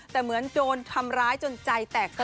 แต่เหมือนโดนทำร้ายจนใจแตก